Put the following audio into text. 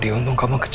dari sini kami kedua